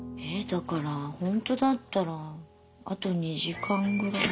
だからほんとだったらあと２時間ぐらい。